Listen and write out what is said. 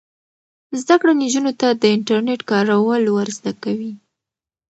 زده کړه نجونو ته د انټرنیټ کارول ور زده کوي.